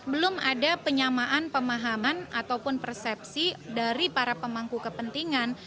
belum ada penyamaan pemahaman ataupun persepsi dari para pemangku kepentingan